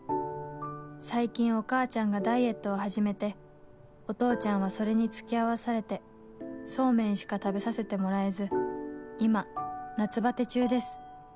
「最近お母ちゃんがダイエットを始めてお父ちゃんはそれに付き合わされてそうめんしか食べさせてもらえず今夏バテ中です」